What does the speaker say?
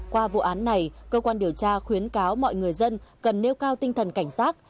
qua vụ án này cơ quan điều tra khuyến cáo mọi người dân cần nêu cao tinh thần cảnh sát